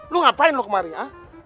lu ngapain lu kemarin ha